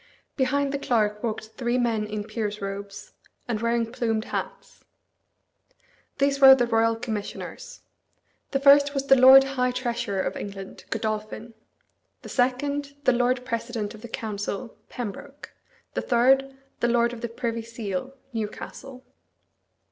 Behind the clerk walked three men in peers' robes, and wearing plumed hats. These were the Royal Commissioners. The first was the Lord High Treasurer of England, Godolphin; the second, the Lord President of the Council, Pembroke; the third, the Lord of the Privy Seal, Newcastle.